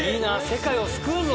世界を救うぞ。